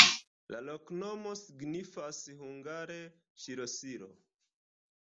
La loknomo signifas hungare: ŝlosilo.